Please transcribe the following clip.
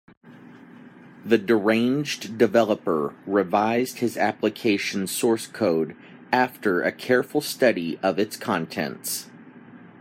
The deranged developer revised his application source code after a careful study of its contents.